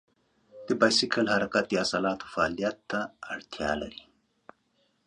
د بایسکل حرکت د عضلاتو فعالیت ته اړتیا لري.